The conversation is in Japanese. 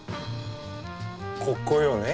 ここよね？